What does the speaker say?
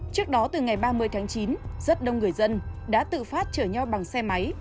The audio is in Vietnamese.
trước đó từ ngày ba mươi tháng chín rất đông người dân đã tự phát chở nhau bằng xe máy